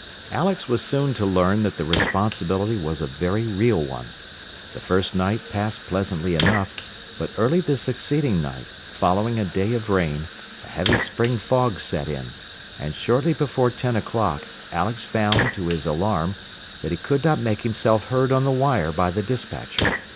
Alex was soon to learn that the responsibility was a very real one. The first night passed pleasantly enough, but early the succeeding night, following a day of rain, a heavy spring fog set in, and shortly before ten o'clock Alex found, to his alarm, that he could not make himself heard on the wire by the despatcher.